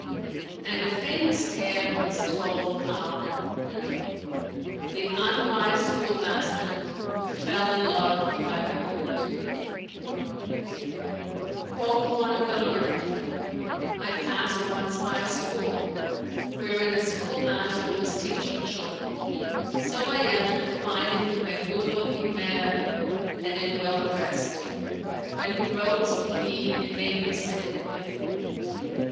'" And a famous tale is told of THE UNWISE SCHOOLMASTER WHO FELL IN LOVE BY REPORT Quoth one of the learned, "I passed once by a school, wherein a schoolmaster was teaching children; so I entered, finding him a good looking man and a well dressed; when he rose to me and made me sit with him.